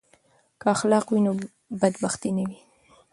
که اخلاق وي نو بدبختي نه وي.